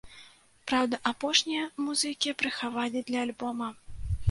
Праўда, апошнія музыкі прыхавалі для альбома.